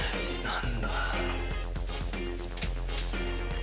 何だ？